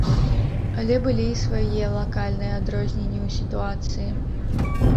Але былі і свае лакальныя адрозненні ў сітуацыі.